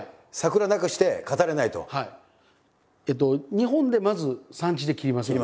日本でまず産地で切りますよね。